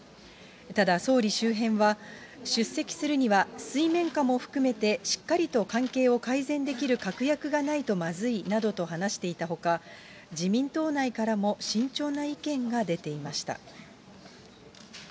ただ、総理周辺は、出席するには水面下も含めてしっかりと関係を改善できる確約がないとまずいなどと話していたほか、自民党内からも慎重な意見が出ていました。